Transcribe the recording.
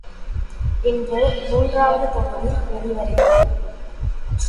இன்று மூன்றாவது தொகுதி வெளிவருகிறது.